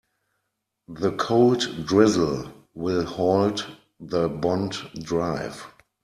The cold drizzle will halt the bond drive.